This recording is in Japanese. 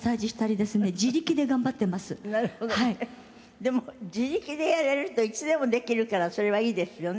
でも自力でやれるといつでもできるからそれはいいですよね。